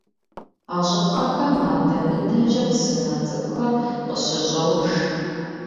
А щӏыпӏэхэм адэ-мыдэкӏэ псынэ цӏыкӏухэр къыщыщӏож.